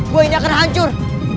gue ini akan hancur